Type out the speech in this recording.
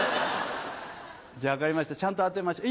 じゃあ分かりましたちゃんと当てましょう。